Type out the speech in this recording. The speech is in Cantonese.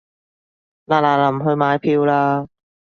嗱嗱臨去買票啦